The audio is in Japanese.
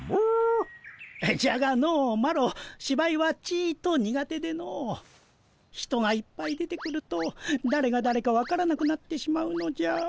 じゃがのうマロしばいはちと苦手での人がいっぱい出てくるとだれがだれか分からなくなってしまうのじゃ。